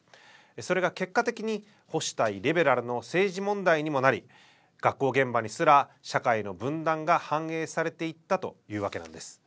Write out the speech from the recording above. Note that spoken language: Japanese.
それが結果的に保守対リベラルの政治問題にもなり学校現場にすら社会の分断が反映されていったというわけなんです。